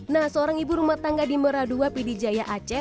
nah seorang ibu rumah tangga di meradua pidijaya aceh